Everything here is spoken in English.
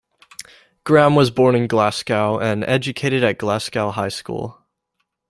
Graham was born in Glasgow, and educated at Glasgow High School.